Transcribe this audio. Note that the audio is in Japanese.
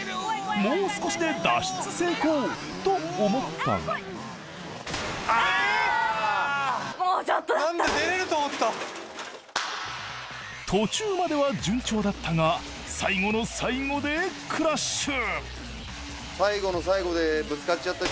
もう少しで脱出成功と思ったが何だ出れると思った途中までは順調だったが最後の最後でクラッシュ